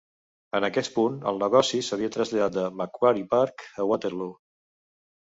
En aquest punt, el negoci s'havia traslladat de Macquarie Park a Waterloo.